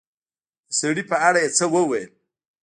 د سړي په اړه يې څه وويل